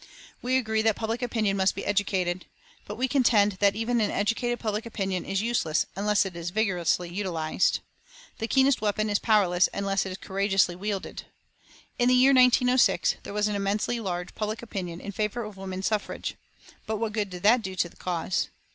We agree that public opinion must be educated, but we contend that even an educated public opinion is useless unless it is vigorously utilised. The keenest weapon is powerless unless it is courageously wielded. In the year 1906 there was an immensely large public opinion in favour of woman suffrage. But what good did that do the cause?